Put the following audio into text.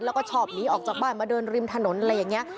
แล้วก็ชอบหนีออกจากบ้านมาเดินริมถนนอะไรอย่างนี้